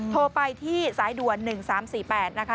โทรไปที่สายด่วน๑๓๔๘นะคะ